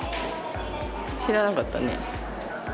知らなかったね。